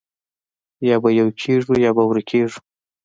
یا به یو کېږو او یا به ورکېږو